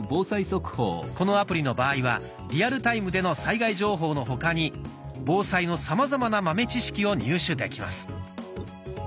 このアプリの場合はリアルタイムでの災害情報の他に防災のさまざまな豆知識を入手できます。